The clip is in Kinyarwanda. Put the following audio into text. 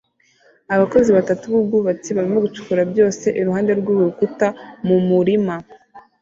Abakozi batatu b'ubwubatsi barimo gucukura byose iruhande rw'urukuta mu murima